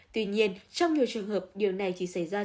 tuy nhiên trong nhiều trường hợp điều này chỉ xảy ra bởi cơ thể